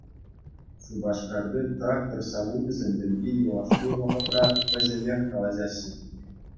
Шупашкарти «Трактор савучӗсем» пирки юлашки вӑхӑтра вӗҫӗмех калаҫаҫҫӗ.